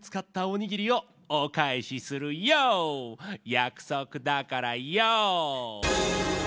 やくそくだからヨー！